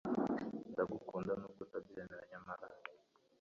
Ndagukunda nubwo utabyemera nyamara